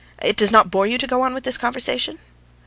It does not bore you to go on with this conversation?